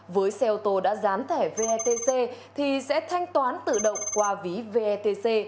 với xe ô tô đã dán thẻ vetc thì sẽ thanh toán tự động qua ví vetc